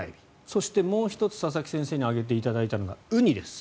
そして、もう１つ佐々木先生に挙げていただいたのがウニです。